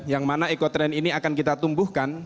yang mana eko trend ini akan kita tumbuhkan